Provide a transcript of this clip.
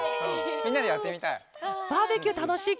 みんなでやってみたい。